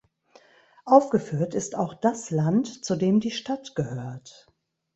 Aufgeführt ist auch das Land, zu dem die Stadt gehört.